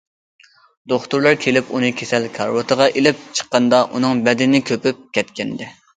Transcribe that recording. دوختۇرلار كېلىپ ئۇنى كېسەل كارىۋىتىغا ئېلىپ چىققاندا، ئۇنىڭ بەدىنى كۆپۈپ كەتكەنىدى.